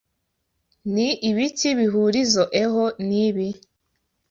Ni ibiki bihurizoeho nibi?